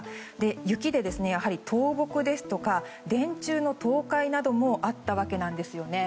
雪で倒木ですとか電柱の倒壊などもあったわけなんです。